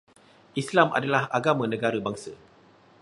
Islam adalah agama negara bangsa